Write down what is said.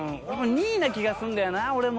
２位な気がすんだよな俺も。